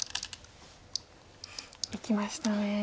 いきましたね。